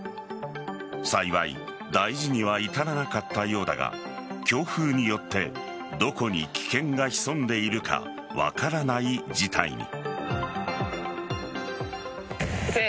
幸い大事には至らなかったようだが強風によってどこに危険が潜んでいるか分からない事態に。